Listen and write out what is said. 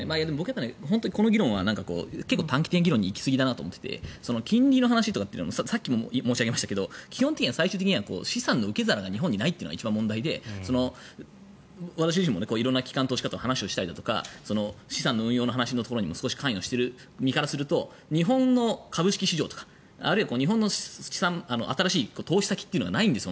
この議論は短期的な議論に行きすぎだと思っていて金利の話とかもさっきも申し上げましたが最終的には資産の受け皿が日本にないのが問題で私自身も機関投資家と話をしたりとか投資の部分とかにも少し関与してる身からすると日本の株式市場とかあるいは日本の資産新しい投資先がないんです。